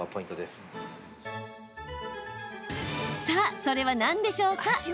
さあ、それは何でしょうか？